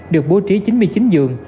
được bố trí chín mươi chín giường